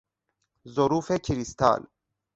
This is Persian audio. ظروف کریستال